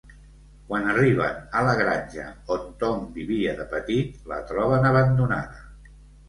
Quan arriben a la granja on Tom vivia de petit, la troben abandonada.